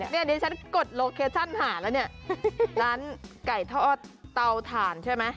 นี่ดิฉันกดโลเคชั่นหาแล้วเนี่ยร้านไก่ทอดเตาถ่านใช่ไหม